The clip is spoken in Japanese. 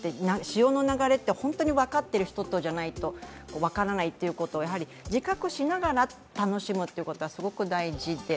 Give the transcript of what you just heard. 潮の流れって分かってる人とじゃないと分からないということをやはり自覚しながら楽しむということがすごく大事で。